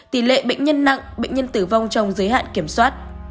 tỷ lệ bệnh nhân nặng bệnh nhân tử vong trong giới hạn kiểm soát